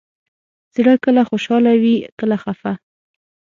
زړه کله خوشحاله وي، کله خفه.